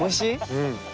うん！